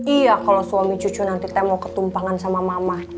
iya kalau suami cucu nanti saya mau ketumpangan sama mama